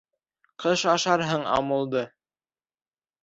Ҡыш ашарһың амулды.